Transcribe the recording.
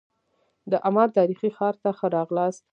د عمان تاریخي ښار ته ښه راغلاست.